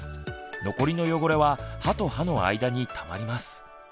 残りの汚れは歯と歯の間にたまります。